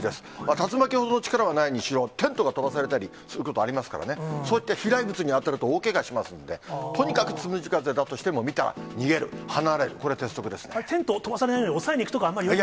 竜巻ほど力はないにしろ、テントが飛ばされたりすることありますからね、そういった飛来物に当たると大けがしますので、とにかくつむじ風だとしても、見たら逃げテントが飛ばされないように押さえに行くとかはあんまりよくない？